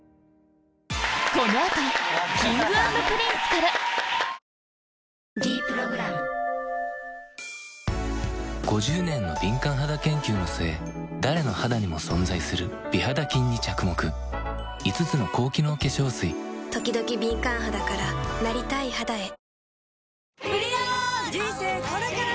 この後Ｋｉｎｇ＆Ｐｒｉｎｃｅから「ｄプログラム」５０年の敏感肌研究の末誰の肌にも存在する美肌菌に着目５つの高機能化粧水ときどき敏感肌からなりたい肌へ人生これから！